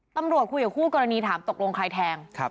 ตำรวจคุยกับคู่กรณีถามตกลงใครแทง